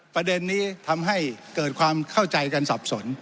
ประเด็นนี้ทำให้เกิดความเข้าใจกันสับสน